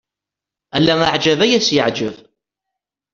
Ala aɛjab ay as-teɛjeb.